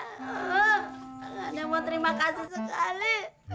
nggak ada yang mau terima kasih sekali